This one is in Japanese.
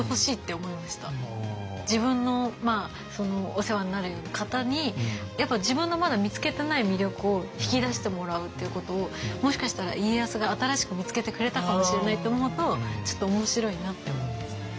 自分のお世話になる方に自分のまだ見つけてない魅力を引き出してもらうっていうことをもしかしたら家康が新しく見つけてくれたかもしれないと思うとちょっと面白いなって思いますね。